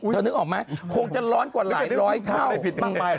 เธอนึกออกไหมคงจะร้อนกว่าหลายร้อยเท่า